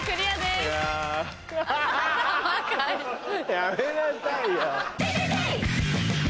やめなさいよ。